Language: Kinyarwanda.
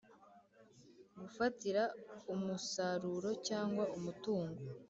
Gufatira umusaruro cyangwa umutungo